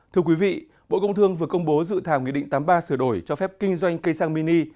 thưa quý vị bộ công thương vừa công bố dự thảo nghị định tám mươi ba sửa đổi cho phép kinh doanh cây sang mini